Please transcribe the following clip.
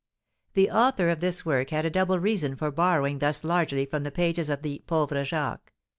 The author of this work had a double reason for borrowing thus largely from the pages of the "Pauvre Jacques."